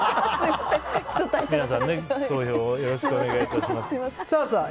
投票をよろしくお願いします。